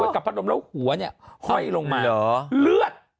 กับพัดลมแล้วหัวเนี่ยห้อยลงมาเลือด